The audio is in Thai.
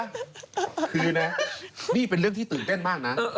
คือนะนี่เป็นเรื่องที่ตื่นเต้นมากนะ